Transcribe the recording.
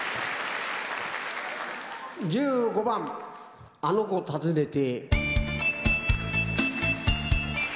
１５番「あの娘たずねて」。